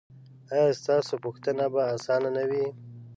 ایا ستاسو پوښتنه به اسانه نه وي؟